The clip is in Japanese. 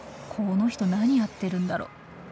この人何やってるんだろ？